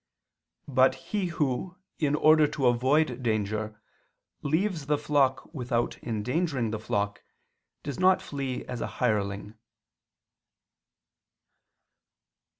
But he who, in order to avoid danger, leaves the flock without endangering the flock, does not flee as a hireling.